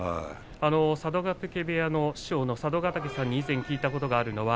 佐渡ヶ嶽部屋の師匠の佐渡ヶ嶽さんに以前、聞いたことがあります。